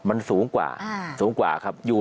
มันสูงกว่าสูงกว่าครับ